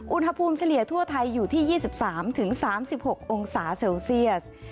เฉลี่ยทั่วไทยอยู่ที่๒๓๓๖องศาเซลเซียส